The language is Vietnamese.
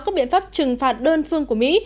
các biện pháp trừng phạt đơn phương của mỹ